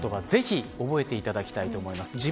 ぜひ覚えていただきたいと思います。